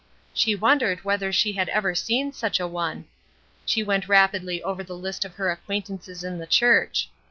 She wondered whether she had ever seen such a one; she went rapidly over the list of her acquaintances in the church.